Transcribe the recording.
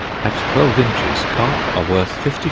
At twelve inches, carp are worth 50_s.